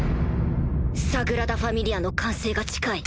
サグラダ・ファミリアの完成が近い。